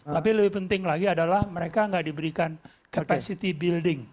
tapi lebih penting lagi adalah mereka nggak diberikan capacity building